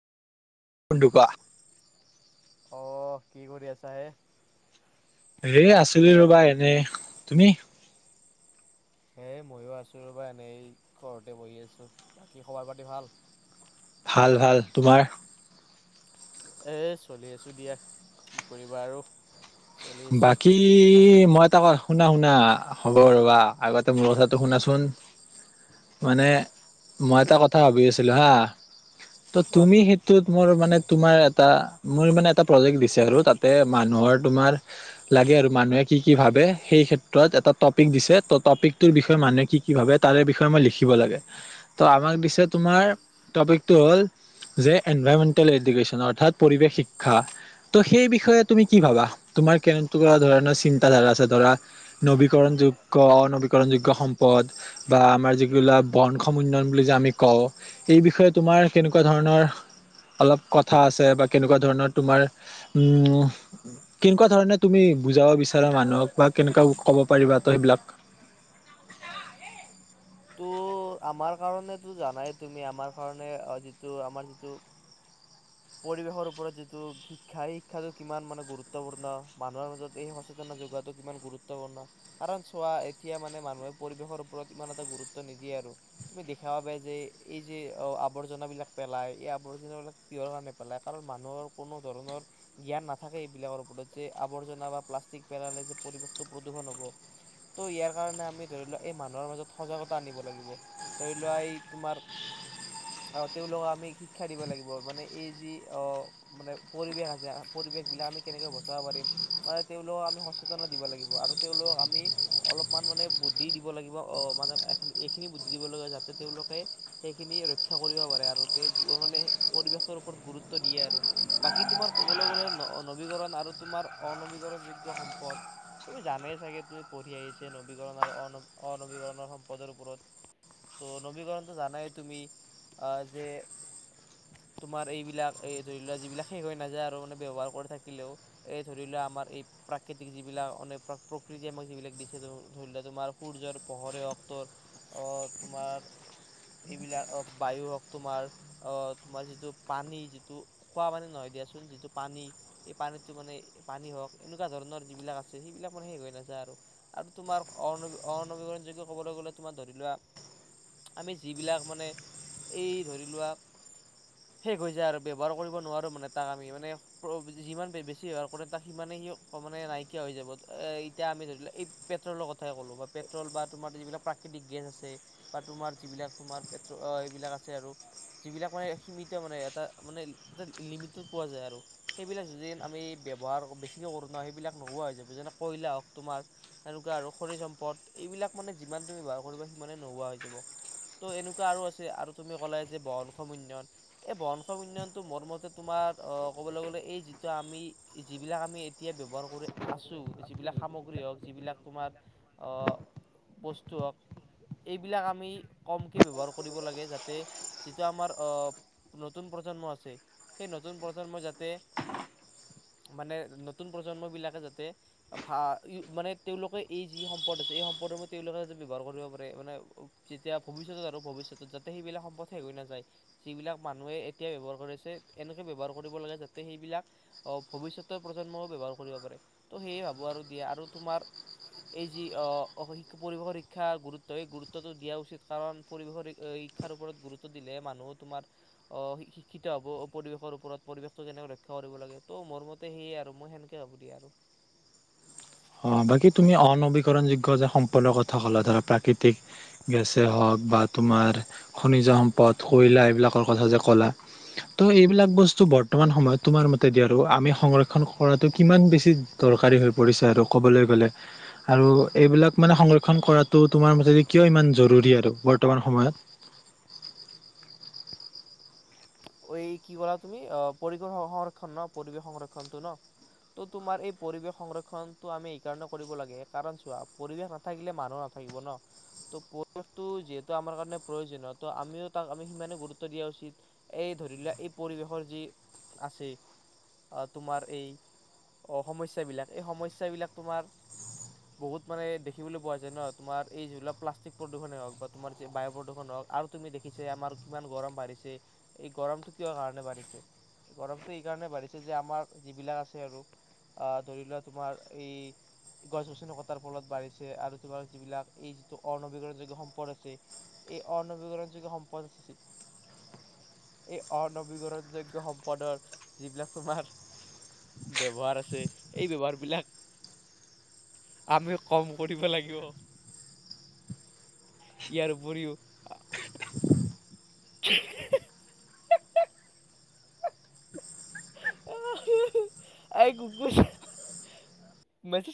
কোনটো কোৱা অ কি কৰি আছা হে এ আছিলি ৰবা এনে তুমি এ ময়ো আছো ৰ'বা এনেই ঘৰতে বহি আছো বাকী খবৰ পাতি ভাল ভাল ভাল তোমাৰ এ চলি আছো দিয়া কি কৰিবা আৰু চলি আছো। বাকী বাকী মই এটা কৰ শুনা শুনা হ'ব ৰ'বা আগতে মোৰ কথাটো শুনাচোন মানে মই এটা কথা ভাবি আছিলোঁ হা ত তুমি কোৱাচোন? সেইটোত মোৰ মানে তোমাৰ এটা মোৰ মানে এটা প্ৰজেক্ট দিছে আৰু তাতে মানুহৰ তোমাৰ লাগে আৰু মানুহে কি কি ভাবে সেই ক্ষেত্ৰত এটা টপিক দিছে ত টপিকটোৰ বিষয়ে মানুহে কি কি ভাবে তাৰে বিষয়ে মই লিখিব লাগে ত আমাক দিছে তোমাৰ টপিকটো হল যে এনভাৰমেন্টেল এডুকেছন অৰ্থাৎ পৰিৱেশ শিক্ষা ত সেই বিষয়ে তুমি কি ভাবা তোমাৰ কেনেকুৱা ধৰণৰ চিন্তাধাৰা আছে ধৰা নবীকৰণ যোগ্য অনবীকৰণ যোগ্য সম্পদ বা আমাৰ যিবিলাক বন সম উন্নয়ন বুলি যে আমি কওঁ এই বিষয়ে তোমাৰ কেনেকুৱা ধৰণৰ অলপ কথা আছে বা কেনেকুৱা ধৰণৰ তোমাৰ উ কেনেকুৱা ধৰণে তুমি বুজাব বিচাৰা মানুহক বা কেনেকুৱা ক'ব পাৰিবা ত সেইবিলাক ত আমাৰ কাৰণটো জানাই তুমি আমাৰ কাৰনে যিটো আমাৰ যিটো পৰিৱেশৰ ওপৰত যিটো শিক্ষা এই শিক্ষাটো কিমান মানে গুৰুত্বপূৰ্ণ মানুহৰ মাজত এই সচেতন যোগাটো কিমান গুৰুত্বপূৰ্ণ কাৰণ চোৱা এতিয়া মানে মানুহে পৰিৱেশৰ ওপৰত ইমান এটা গুৰুত্ব। গুৰুত্ব নিদিয়ে আৰু তুমি দেখা পাবা যে এই যে আৱৰ্জনাবিলাক পেলায় এই আৱৰ্জনাবিলাক কিহ কাৰণে পেলায় কাৰণ মানুহৰ কোনো ধৰণৰ জ্ঞান নাথাকে এইবিলাকৰ ওপৰত যে আৱৰ্জনা বা প্লাষ্টিক পেলালে যে পৰিৱেশটো প্ৰদূষণ হব ত' ইয়াৰ কাৰণে আমি ধৰি লোৱা এই মানুহৰ মাজত সজাগতা আনিব লাগিব ধৰি লোৱা এই তোমাৰ অহ তেওঁলোকক আমি শিক্ষা দিব লাগিব মানে এই যি আহ মানে পৰিৱেশ আছে পৰিৱেশ বিলাক আমি কেনেকৈ বচাব পাৰিম মানে তেওঁলোকক আমি সচেতন দিব লাগিব আৰু তেওঁলোকক আমি অলপমান মানে বুদ্ধি দিব লাগিব অহ মানে এহ এইখিনি বুদ্ধি দিব লগে যাতে তেওঁলোকে সেইখিনি ৰক্ষা কৰিব পাৰে আৰু তেওঁ মানে পৰিৱেশৰ ওপৰত গুৰুত্ব দিয়ে আৰু বাকী তোমাৰ ক'বলৈ গ'লে ন নৱীকৰণ আৰু তোমাৰ অনবীকৰণ যোগ্য সম্পদ তুমি জানেই চাগে তুমি পঢ়ি আহিছে নবীকৰণ আৰু অন অনবীকৰণৰ সম- পদৰ ওপৰত ত' নবীকৰণটো জানাই তুমি যে তোমাৰ এইবিলাক এই ধৰি লোৱা যিবিলাক শেষ হৈ নাযায় আৰু মানে ব্যৱহাৰ কৰি থাকিলেও এই ধৰি লোৱা আমাৰ এই প্ৰাকৃতিক যিবিলাক প্ৰকৃতি আমাক যিবিলাক দিছে ধৰি লোৱা তোমাৰ সূৰ্যৰ পোহৰে হওক তোমাৰ এইবিলাক বায়ু হওক তোমাৰ তোমাৰ যিটো পানী যিটো খোৱা পানী নহয় দিয়াচোন যিটো পানী সেই পানীটো মানে পানী হওক এনেকুৱা ধৰণৰ যিবিলাক আছে সেইবিলাক মানে শেষ হৈ নাযায় আৰু আৰু তোমাৰ অ অনবীকৰণযোগ্য ক'বলৈ গ'লে তোমাৰ ধৰি লোৱা আমি যিবিলাক মানে এই ধৰি লোৱা শেষ হৈ যায় আৰু ব্যৱহাৰ কৰিব নোৱাৰোঁ মানে তাক আমি মানে যিমান বেছি ব্যৱহাৰ কৰোঁ তাক সিমানেই সি মানে নাইকিয়া হৈ যাব এ ইতা আমি ধৰি লোৱা এই পেট্ৰলৰ কথাই ক'লোঁ বা পেট্ৰল বা তোমাৰ যিবিলাক প্ৰাকৃতিক গেছ আছে বা তোমাৰ যিবিলাক তোমাৰ পেট্ৰ এইবিলাক আছে আৰু যিবিলাক মানে সীমিত মানে এটা মানে এটা লিমিটত পোৱা যায় আৰু সেইবিলাক যদি আমি ব্যৱহাৰ বেছিকৈ কৰোঁ ন সেইবিলাক নোহোৱা হৈ যাব যেনে কয়লা হওক তোমাৰ তেনেকুৱা আৰু খনিজ সম্পদ এইবিলাক মানে যিমান তুমি ব্যৱহাৰ কৰিবা সিমানে নোহোৱা হৈ যাব ত' এনেকুৱা আৰু আছে আৰু তুমি ক'লাই যে বহনক্ষম উন্নয়ন এই বহনক্ষম উন্নয়নটো মোৰ মতে তোমাৰ আহ ক'বলৈ গ'লে এই যিটো আমি যিবিলাক আমি এতিয়া ব্যৱহাৰ কৰি আছো যিবিলাক সামগ্ৰী হওক যিবিলাক তোমাৰ আহ বস্তু হওক এইবিলাক আমি কমকে ব্যৱহাৰ কৰিব লাগে যাতে যিটো আমাৰ আহ নতুন প্ৰজন্ম আছে সেই নতুন প্ৰজন্ম যাতে মানে নতুন প্ৰজন্মবিলাকে যাতে ভা--মানে তেওঁলোকে এই যি সম্পদ আছে এই সম্পদ প্ৰথমতে তেওঁলোকে যাতে ব্যৱহাৰ কৰিব পাৰে মানে যেতিয়া ভৱিষ্যতত আৰু ভৱিষ্যতত যাতে সেইবিলাক সম্পদ শেষ হৈ নাযায় যিবিলাক মানুহে এতিয়া ব্যৱহাৰ কৰিছে এনেকৈ ব্যৱহাৰ কৰিব লাগে যাতে সেইবিলাক ভৱিষ্যতৰ প্ৰজন্মও ব্যৱহাৰ কৰিব পাৰে ত' সেয়ে ভাবোঁ আৰু দিয়ে আৰু তোমাৰ এই যি অ পৰিৱেশৰ শিক্ষা গুৰুত্ব সেই গুৰুত্বটো দিয়া উচিত কাৰণ পৰিৱেশৰ শিক্ষাৰ ওপৰত গুৰুত্ব দিলে মানুহ তোমাৰ অ শিক্ষিত হব পৰিৱেশৰ ওপৰত পৰিৱেশটো কেনেকৈ ৰক্ষা কৰিব লাগে ত' মোৰ মতে সেয়ে আৰু মই সেনেকে ভাবো দিয়া আৰু অ বাকী তুমি অনবীকৰণযোগ্য যে সম্পদৰ কথা ক'লা ধৰা প্ৰাকৃতিক গেছে হওক বা তোমাৰ খনিজ সম্পদ কৈলা এইবিলাকৰ কথা যে ক'লা ত' এইবিলাক বস্তু বৰ্তমান সময়ত তোমাৰ মতে দিয় আৰু আমি সংৰক্ষণ কৰাটো কিমান বেছি দৰকাৰী হৈ পৰিছে আৰু ক'বলৈ গ'লে আৰু এইবিলাক মানে সংৰক্ষণ কৰাটো তোমাৰ মতে কিয় ইমান জৰুৰী আৰু বৰ্তমান সময়ত। এই কি কৰা তুমি অ পৰিৱেশ সংৰক্ষণ ন পৰিৱেশ সংৰক্ষনটো ন ত তোমাৰ এই পৰিৱেশ সংৰক্ষনটো আমি এইকাৰণে কৰিব লাগে কাৰণ চোৱা পৰিৱেশ নাথাকিলে মানুহ নাথাকিব ন ত' পৰিৱেশটো যিহেতু আমাৰ কাৰণে প্ৰয়োজনীয় ত' আমিও তাক আমি সিমানে গুৰুত্ব দিয়া উচিত। এই ধৰি লোৱা এই পৰিৱেশৰ যি আছে তোমাৰ এই সমস্যাবিলাক এই সমস্যাবিলাক তোমাৰ বহুত মানে দেখিবলৈ পোৱা যায় ন তোমাৰ এই যিবিলাক প্লাষ্টিক প্ৰদূষণেই হওক বা তোমাৰ এই বায়ু প্ৰদূষণ হওক আৰু তুমি দেখিছে আমাৰ কিমান গৰম বাঢ়িছে। এই গৰমটো কিয় কাৰণে বাঢ়িছে গৰমটো এইকাৰণে বাঢ়িছে যে আমাৰ যিবিলাক আছে আৰু আহ ধৰি লোৱা তোমাৰ এই গছ গছনি কটাৰ ফলত বাঢ়িছে আৰু তোমাৰ যিবিলাক এই যিটো অনবীকৰণযোগ্য সম্পদ আছে এই অনবীকৰণযোগ্য সম্পদ। এই অনবীকৰণ যোগ্য সম্পদৰ যিবিলাক তোমাৰ ব্যৱহাৰ আছে এই ব্যৱহাৰ বিলাক আমি কম কৰিব লাগিব ইয়াৰ উপৰিও। [unintelligible] আহ এই গুকু মছ।